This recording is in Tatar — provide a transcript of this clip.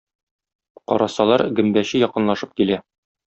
Карасалар - гөмбәче якынлашып килә!..